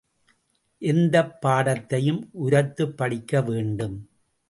எந்தப் பாடத்தையும் உரத்துப் படிக்க வேண்டும்.